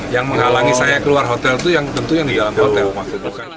yang menghalangi saya keluar hotel itu yang tentu yang di dalam hotel maksud bukan